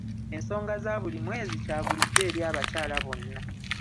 Ensonga za buli mwezi kya bulijjo eri abakyala bonna.